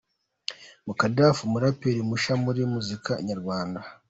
Mukadaff umuraperi mushya muri muzika nyarwanda.